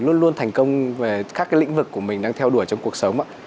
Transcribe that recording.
luôn luôn thành công về các cái lĩnh vực của mình đang theo đuổi trong cuộc sống ạ